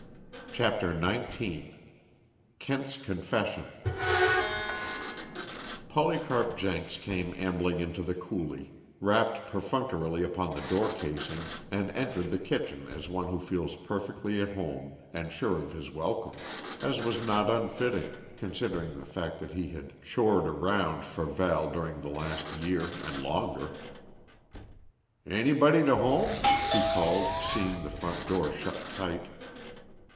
CHAPTER XIX. KENT'S CONFESSION Polycarp Jenks came ambling into the coulee, rapped perfunctorily upon the door casing, and entered the kitchen as one who feels perfectly at home, and sure of his welcome; as was not unfitting, considering the fact that he had "chored around" for Val during the last year, and longer. "Anybody to home?" he called, seeing the front door shut tight.